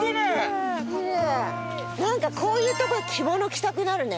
なんかこういうとこで着物着たくなるね。